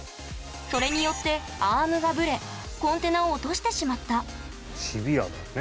それによってアームがブレコンテナを落としてしまったシビアだね